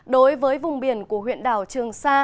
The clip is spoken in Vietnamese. đối với vùng biển của huyện đảo trường